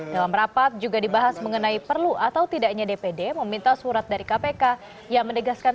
dalam rapat juga dibahas mengenai perlu atau tidaknya dpd meminta surat dari kpk yang mendegaskan